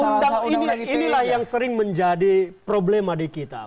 undang undang inilah yang sering menjadi problema di kita